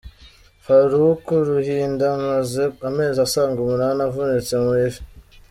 Faruku Ruhinda amaze amezi asaga umunani avunitse mu ivi.